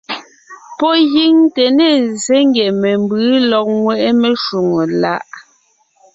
Pɔ́ gíŋ te ne ńzsé ngie membʉ̌ lɔg ńŋweʼe meshwóŋè meláʼ.